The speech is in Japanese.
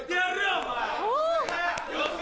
お前。